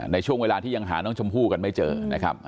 ในช่วงเวลาที่ยังหาน้องชมพู่กันไม่เจอนะครับ